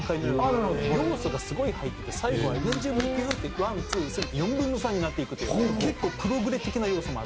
要素がすごい入って最後は「年中無休」ってワンツースリーって４分の３になっていくという結構プログレ的な要素もある。